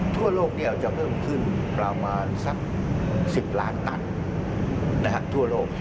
ทั่วโลกจะเพิ่มขึ้นประมาณสัก๑๐ล้านตันทั่วโลก